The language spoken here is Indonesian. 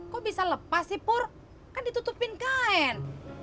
kok bisa lepas sih pur kan ditutupin kain